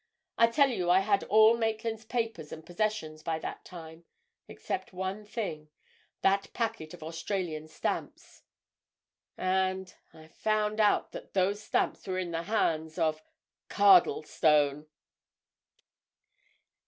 I tell you I had all Maitland's papers and possessions, by that time—except one thing. That packet of Australian stamps. And—I found out that those stamps were in the hands of—Cardlestone!"